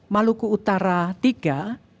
maluku utara iii